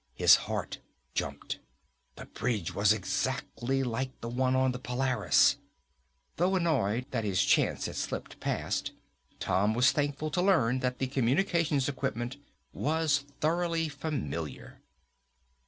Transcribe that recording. His heart jumped. The bridge was exactly like the one on the Polaris! Though annoyed that his chance had slipped past, Tom was thankful to learn that the communications equipment was thoroughly familiar.